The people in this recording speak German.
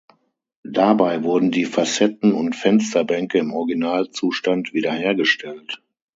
Dabei wurden die Facetten und Fensterbänke im Originalzustand wiederhergestellt.